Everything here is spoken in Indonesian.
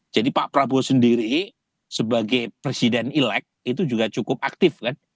jadi pak prabowo sendiri sebagai presiden elek itu juga cukup aktif kan